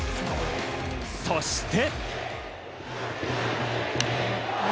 そして。